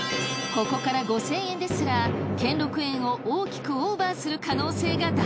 ここから５，０００円ですら兼六園を大きくオーバーする可能性が大。